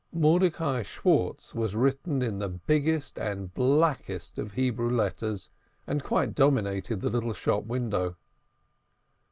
Mordecai Schwartz was written in the biggest and blackest of Hebrew letters, and quite dominated the little shop window.